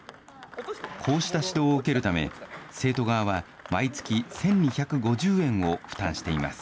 こうした指導を受けるため、生徒側は毎月１２５０円を負担しています。